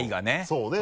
そうね